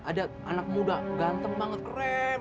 ada anak muda ganteng banget kerem